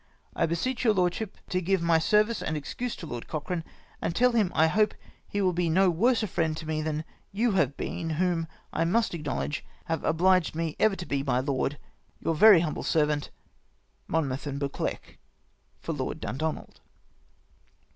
I beseech your lordship to give my service and excuse to my Lord Cochrane, and tell him I hope he will be no worse a friend to me than you have been, who, I must acknowledge, have obliged me ever to be, my lord, "Your very humble servant, " Monmouth and Buccleuch. " For Lord Duudouald."